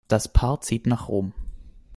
Das Paar zieht nach Rom.